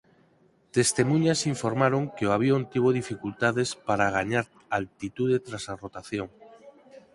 Testemuñas informaron que o avión tivo dificultades para gañar altitude tras a rotación.